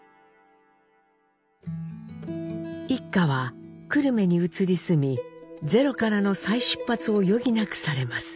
一家は久留米に移り住みゼロからの再出発を余儀なくされます。